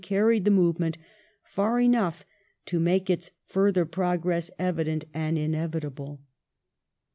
carried the movement far enough to make its further progress evident and inevitable.